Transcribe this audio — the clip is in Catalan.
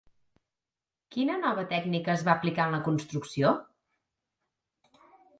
Quina nova tècnica es va aplicar en la construcció?